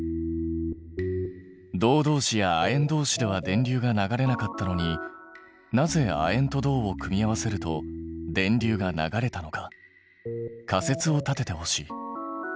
銅どうしや亜鉛どうしでは電流が流れなかったのになぜ亜鉛と銅を組み合わせると電流が流れたのか仮説を立ててほしい。